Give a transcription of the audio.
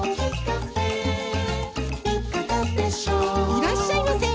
いらっしゃいませ！